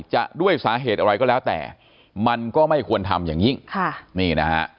จะด้วยสาเหตุอะไรก็แล้วแต่มันก็ไม่ควรทำอย่างนี้